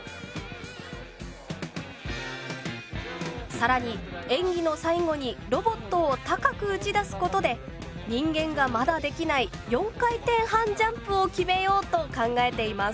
さらに演技の最後にロボットを高く打ち出すことで人間がまだできない４回転半ジャンプを決めようと考えています。